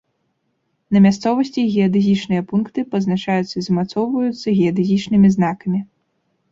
На мясцовасці геадэзічныя пункты пазначаюцца і замацоўваюцца геадэзічнымі знакамі.